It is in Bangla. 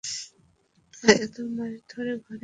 এতো মাস ধরে ঘরে আসেনি।